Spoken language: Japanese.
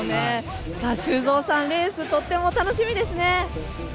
修造さん、レースとっても楽しみですね。